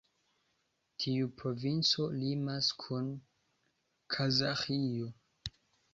Tiu provinco limas kun Kazaĥio.